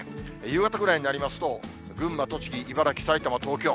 夕方くらいになりますと、群馬、栃木、茨城、埼玉、東京。